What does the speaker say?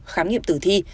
khám nghiệm tử thi